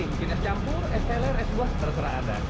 ini mungkin es campur es heler es buah terserah anda